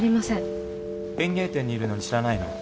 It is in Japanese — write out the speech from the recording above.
園芸店にいるのに知らないの？